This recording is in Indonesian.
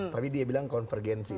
tapi dia bilang konvergensi